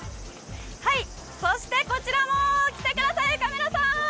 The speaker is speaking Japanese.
そして、こちらも来てください、カメラさん！